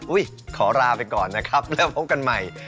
ขอลาไปก่อนนะครับแล้วพบกันใหม่